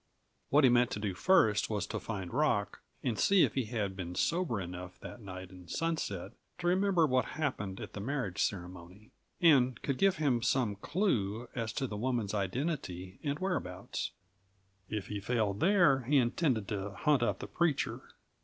What he meant to do first was to find Rock, and see if he had been sober enough that night in Sunset to remember what happened at the marriage ceremony, and could give him some clue as to the woman's identity and whereabouts. If he failed there, he intended to hunt up the preacher.